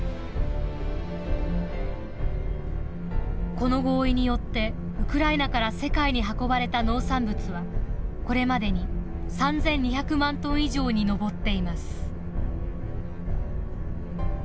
この合意によってウクライナから世界に運ばれた農産物はこれまでに３，２００万トン以上に上っています。